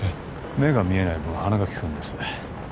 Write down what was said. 目が見えない分鼻が利くんです